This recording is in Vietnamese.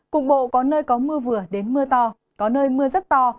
cục bộ có nơi có mưa vừa đến mưa to có nơi mưa rất to